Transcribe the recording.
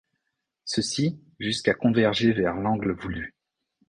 Ceci jusqu'à converger vers l'angle voulu.